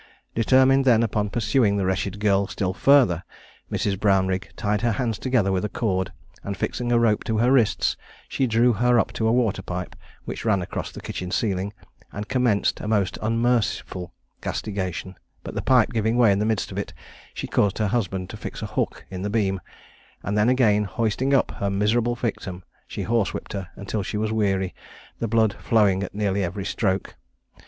Determined then upon pursuing the wretched girl still further, Mrs. Brownrigg tied her hands together with a cord, and fixing a rope to her wrists, she drew her up to a water pipe, which ran across the kitchen ceiling, and commenced a most unmerciful castigation, but the pipe giving way in the midst of it, she caused her husband to fix a hook in the beam, and then again hoisting up her miserable victim, she horsewhipped her until she was weary, the blood flowing at nearly every stroke.